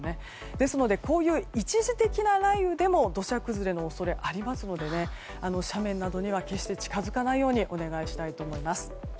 ですので、こういう一時的な雷雨でも土砂崩れの恐れがあるので斜面などには決して近づかないようにお願いしたいと思います。